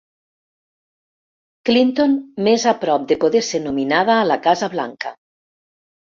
Clinton més a prop de poder ser nominada a la Casa Blanca